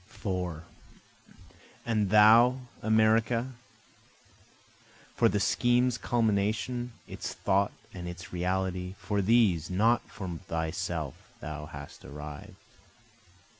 4 And thou America, For the scheme's culmination, its thought and its reality, For these (not for thyself) thou hast arrived.